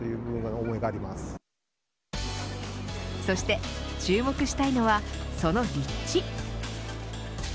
そして注目したいのはその立地。